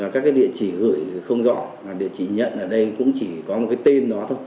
các địa chỉ gửi không rõ địa chỉ nhận ở đây cũng chỉ có một cái tên